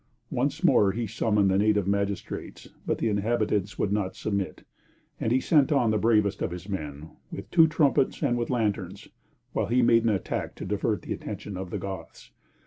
Once more he summoned the native magistrates, but the inhabitants would not submit, and he sent on the bravest of his men, with two trumpets and with lanterns, while he made an attack to divert the attention of the Goths.